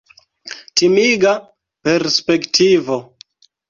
Timiga perspektivo!